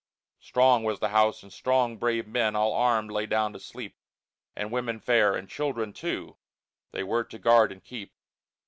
Strong was the house, and strong brave men All armed lay down to sleep, And women fair, and children, too, They were to guard and keep.